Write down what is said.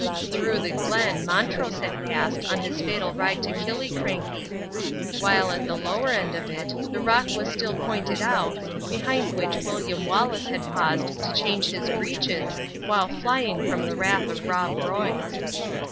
Through the Glen Montrose had passed on his fateful ride to Killiecrankie; while at the lower end of it the rock was still pointed out behind which William Wallace had paused to change his breeches while flying from the wrath of Rob Roy.